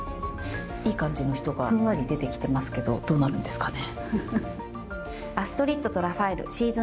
いい感じの人がふんわり出てきてますけどどうなるんですかね。